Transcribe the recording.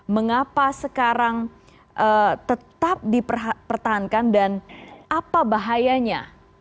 mengapa sekarang tetap dipertahankan dan apa bahayanya